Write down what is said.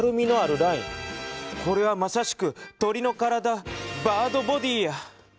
これはまさしく鳥の体バード・ボディーや。